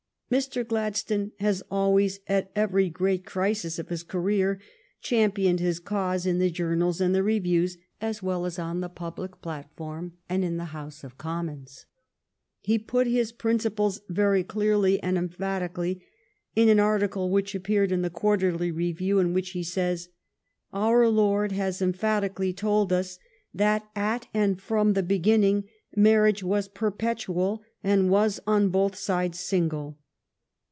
Mr. Gladstone has always at every great crisis of his career championed his cause in the journals and the reviews as well as on the public platform and in the House of Commons. He put his prin ciples very clearly and emphatically in an article which appeared in the " Quarterly Review," in which he says :" Our Lord has emphatically told us that, at and from the beginning, marriage was perpetual, and was on both sides single."